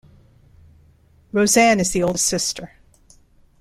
Rosanne is the oldest sister.